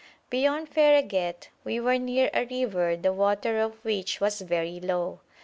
Beyond Fereghet we were near a river the water of which was very low.